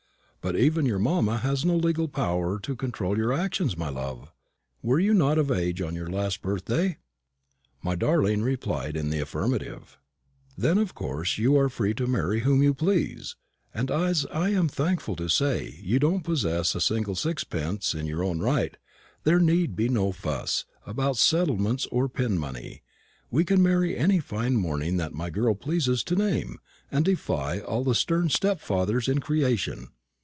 "But even your mamma has no legal power to control your actions, my love. Were you not of age on your last birthday?" My darling replied in the affirmative. "Then of course you are free to marry whom you please; and as I am thankful to say you don't possess a single sixpence in your own right, there need be no fuss about settlements or pin money. We can marry any fine morning that my dear girl pleases to name, and defy all the stern stepfathers in creation."